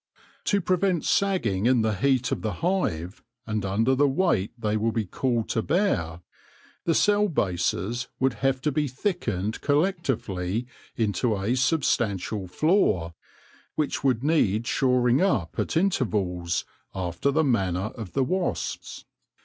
To prevent sagging in the heat of the hive, and under the weight they will be called to bear, the cell bases would have to be thickened collectively into a substantial floor, which would need shoring up at intervals — after the manner of the wasps.